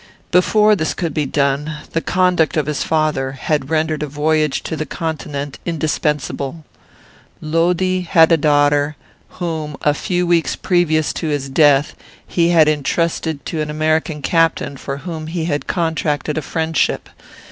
Before this could be done, the conduct of his father had rendered a voyage to the Continent indispensable. "Lodi had a daughter, whom, a few weeks previous to his death, he had intrusted to an American captain for whom he had contracted a friendship.